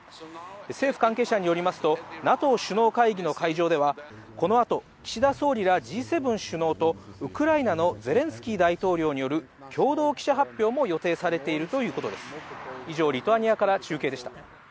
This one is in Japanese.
政府関係者によりますと、ＮＡＴＯ首脳会議の会場では、このあと、岸田総理らＧ７首脳と、ウクライナのゼレンスキー大統領による共同記者発表も予定されているということです。